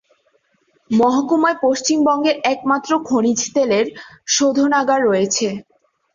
মহকুমায় পশ্চিমবঙ্গের একমাত্র খনিজ তেলের শোধনাগার রয়েছে।